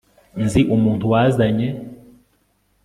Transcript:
Nzi umuntu wazanye